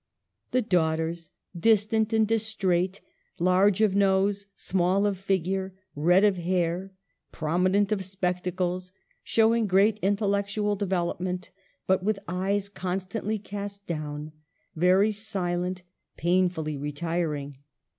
The daughters — distant and distrait, large of nose, small of figure, red of hair (!), prominent of spectacles ; showing great intellectual development, but with eyes constantly cast down, very silent, painfully retiring.